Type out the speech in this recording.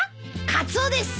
カツオです。